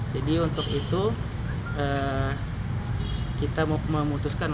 jadi untuk itu kita memutuskan untuk mencari penyemprotan virus corona ini